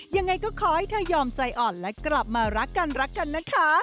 ยังไงก็ขอให้เธอยอมใจอ่อนและกลับมารักกันรักกันนะคะ